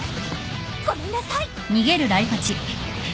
ごめんなさい！